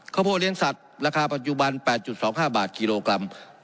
ข้าวโพลเลียนสัตว์ปัจจุบัน๘๒๕บาทกิโลกรัม